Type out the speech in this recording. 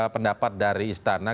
pendapat dari istana